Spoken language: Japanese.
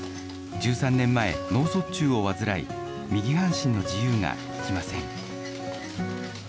１３年前、脳卒中を患い、右半身の自由が利きません。